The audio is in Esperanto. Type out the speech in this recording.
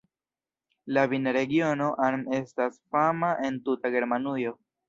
La vinregiono Ahr estas fama en tuta Germanujo.